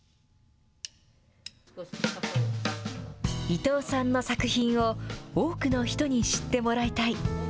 伊藤さんの作品を多くの人に知ってもらいたい。